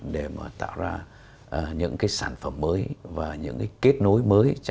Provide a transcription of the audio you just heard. để mà tạo ra những cái sản phẩm mới và những cái kết nối mới